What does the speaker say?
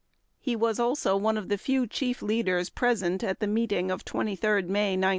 He was also one of the few chief leaders present at the meeting of 23 May 1939.